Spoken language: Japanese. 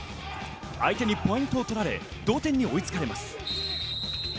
相手にポイントを取られ同点に追いつかれます。